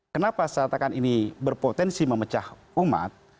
kenapa seatakan ini berpotensi memecah umat